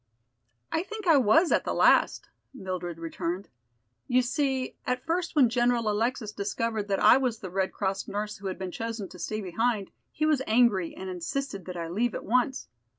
"I think I was at the last," Mildred returned. "You see, at first when General Alexis discovered that I was the Red Cross nurse who had been chosen to stay behind, he was angry and insisted that I leave at once.